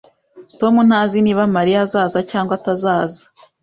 Tom ntazi niba Mariya azaza cyangwa atazaza